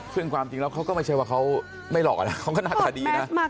ซึ่งความจริงแล้วเขาก็ไม่ใช่ว่าเขาไม่หลอกนะเขาก็หน้าตาดีนะ